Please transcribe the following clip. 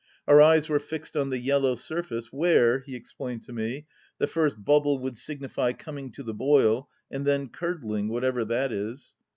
Our eyes were fixed on the yellow surface where, he explained to me, the first bubble would signify " coming to the boil," and then curdling, whatever that is.